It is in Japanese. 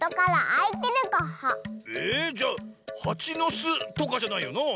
えじゃ「はちのす」とかじゃないよなあ？